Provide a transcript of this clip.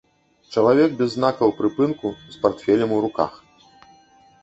Чалавек без знакаў прыпынку з партфелем у руках.